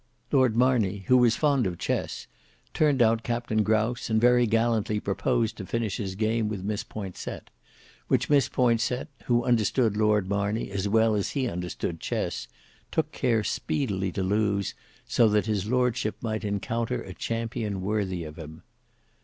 Lord Marney, who was fond of chess, turned out Captain Grouse, and very gallantly proposed to finish his game with Miss Poinsett, which Miss Poinsett, who understood Lord Marney as well as he understood chess, took care speedily to lose, so that his lordship might encounter a champion worthy of him.